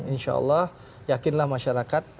insya allah yakinlah masyarakat